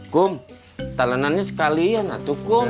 kom talenannya sekalian lah tuh kom